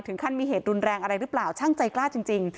ขั้นมีเหตุรุนแรงอะไรหรือเปล่าช่างใจกล้าจริง